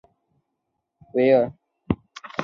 克雷特维尔。